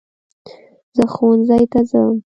زه ښوونځی ته ځم